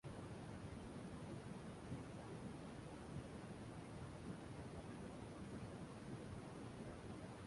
জেলাটি একজন নির্বাচিত সুপারিনটেনডেন্ট এবং পাঁচ সদস্যের একটি বিদ্যালয় বোর্ড দ্বারা পরিচালিত হয়।